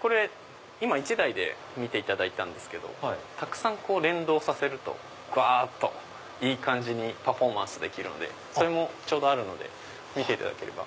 これ今１台で見ていただいたんですけどたくさん連動させるといい感じにパフォーマンスできるんでそれもちょうどあるので見ていただければ。